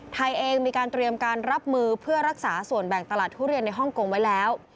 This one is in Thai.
ไทยเองมีการเตรียมการรับมือเพื่อรักษาส่วนแบ่งตลาดทุเรียนในฮ่องกงไว้แล้ว